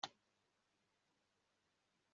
ntugomba kwambara inkweto zawe kugeza kuri lobby